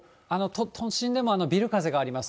都心でもビル風があります。